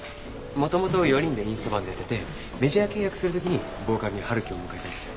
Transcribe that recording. もともと４人でインストバンドやっててメジャー契約する時にボーカルに陽樹を迎えたんですよ。